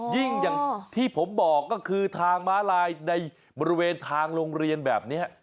อย่างที่ผมบอกก็คือทางม้าลายในบริเวณทางโรงเรียนแบบนี้